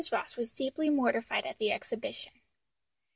Ross was deeply mortified at the exhibition.